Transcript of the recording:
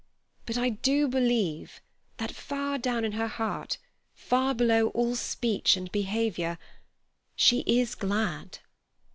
But I do believe that, far down in her heart, far below all speech and behaviour, she is glad."